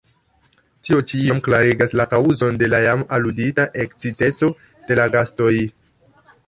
Tio ĉi iom klarigas la kaŭzon de la jam aludita eksciteco de la gastoj!